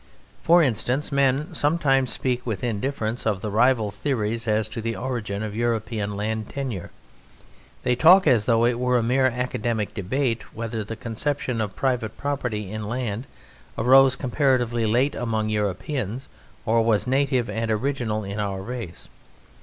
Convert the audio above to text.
For instance, men sometimes speak with indifference of the rival theories as to the origin of European land tenure; they talk as though it were a mere academic debate whether the conception of private property in land arose comparatively late among Europeans or was native and original in our race.